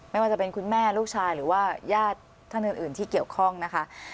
ไม่ว่าจะเป็นคุณแม่ลูกชายหรือว่าญาติท่านอื่นที่เกี่ยวข้องนะคะ